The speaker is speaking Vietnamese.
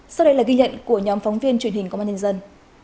sau đây là ghi nhận của nhóm phóng viên truyền hình công an nhân dân